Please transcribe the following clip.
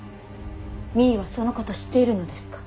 実衣はそのこと知っているのですか。